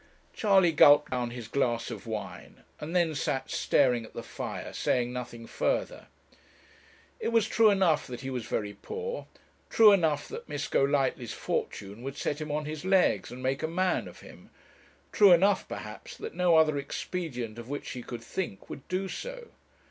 Charley gulped down his glass of wine, and then sat staring at the fire, saying nothing further. It was true enough that he was very poor true enough that Miss Golightly's fortune would set him on his legs, and make a man of him true enough, perhaps, that no other expedient of which he could think would do so.